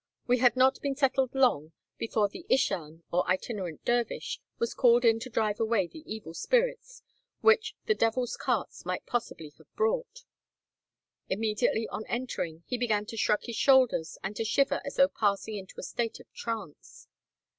We had not been settled long before the ishan, or itinerant dervish, was called in to drive away the evil spirits, which the "devil's carts" might possibly have brought. Immediately on entering, he began to shrug his shoulders, and to shiver as though passing into a state of trance.